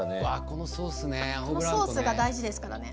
このソースが大事ですからね